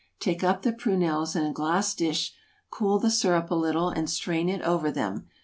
Take up the prunelles in a glass dish, cool the syrup a little, and strain it over them.